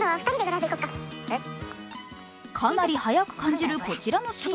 かなり早く感じるこちらのＣＭ。